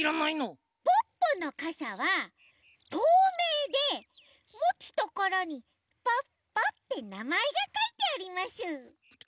ポッポのかさはとうめいでもつところに「ポッポ」ってなまえがかいてあります。